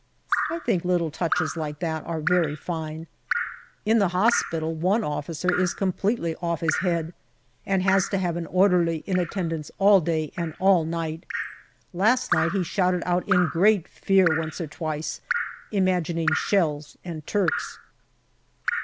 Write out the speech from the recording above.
I think little touches like that are very fine. In the hospital one officer is completely off his head, and has to have an orderly in attendance all day and all night. Last night he shouted out in great fear once or twice, imagining shells and Turks.